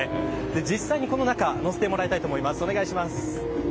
実際にこの中に乗せてもらいたいと思います。